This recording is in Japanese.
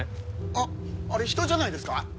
あっあれ人じゃないですか？